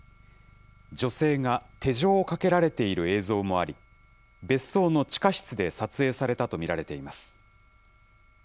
女性が手錠をかけられている映像もあり、別荘の地下室で撮影されたと見られています。